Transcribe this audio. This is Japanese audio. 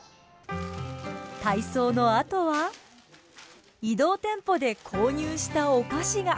体操のあとは移動店舗で購入したお菓子が！